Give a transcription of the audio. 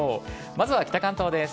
まずは北関東です。